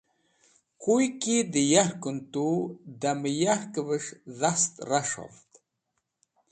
Koy ki dẽ yarkẽn tu damẽ yarkvẽs̃ dhast ras̃hov.